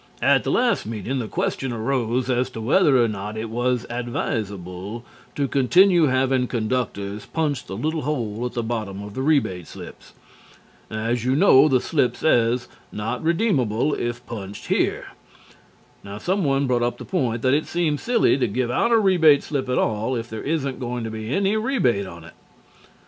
At the last meeting the question arose as to whether or not it was advisable to continue having conductors punch the little hole at the bottom of rebate slips. As you know, the slip says, 'Not redeemable if punched here.' Now, someone brought up the point that it seems silly to give out a rebate slip at all if there isn't going to be any rebate on it.